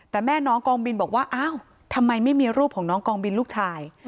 แต่แม่น้องกองบินบอกว่าอ้าวทำไมไม่มีรูปของน้องกองบินลูกชาย